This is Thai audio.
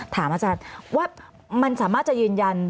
ถามอาจารย์ว่ามันสามารถจะยืนยัน